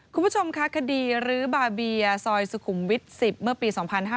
คุณผู้ชมค่ะคดีรื้อบาเบียซอยสุขุมวิทย์๑๐เมื่อปี๒๕๕๙